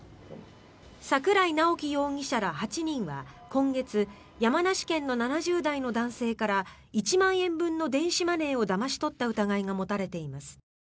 櫻井直樹容疑者ら８人は今月山梨県の７０代の男性から１万円分の電子マネーをだまし取った疑いが持たれています。